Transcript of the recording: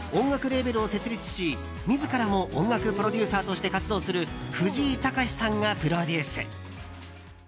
レーベルを設立し自らも音楽プロデューサーとして活動する藤井隆さんがプロデュース。